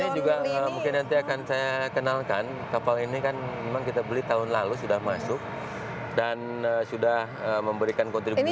ini juga mungkin nanti akan saya kenalkan kapal ini kan memang kita beli tahun lalu sudah masuk dan sudah memberikan kontribusi